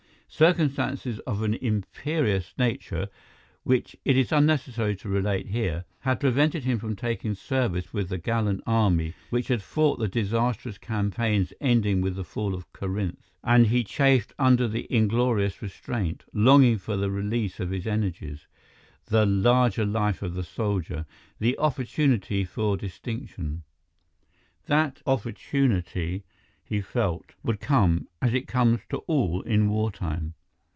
Circumstances of an imperious nature, which it is unnecessary to relate here, had prevented him from taking service with that gallant army which had fought the disastrous campaigns ending with the fall of Corinth, and he chafed under the inglorious restraint, longing for the release of his energies, the larger life of the soldier, the opportunity for distinction. That opportunity, he felt, would come, as it comes to all in wartime.